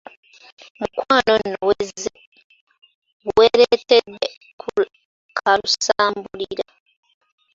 Mukwano nno wezze, weereetedde kalusambulira.